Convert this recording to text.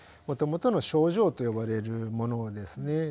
もともとの症状と呼ばれるものですね。